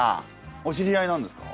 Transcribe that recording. お知り合いなんですか？